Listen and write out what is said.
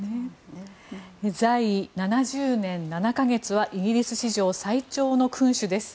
在位７０年７か月はイギリス史上最長の君主です。